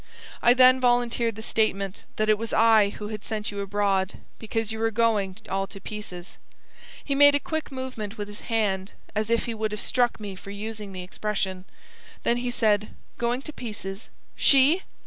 I then volunteered the statement that it was I who had sent you abroad because you were going all to pieces. He made a quick movement with his hand as if he would have struck me for using the expression. Then he said: 'Going to pieces? SHE!'